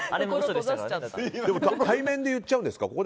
対面で行っちゃうんですか？